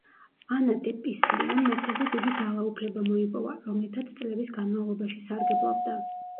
ანა დე პისლიომ მეფეზე დიდი ძალაუფლება მოიპოვა, რომლითაც წლების განმავლობაში სარგებლობდა.